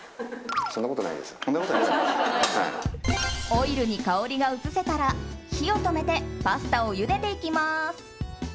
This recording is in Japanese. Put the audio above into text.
オイルに香りが移せたら火を止めてパスタをゆでていきます。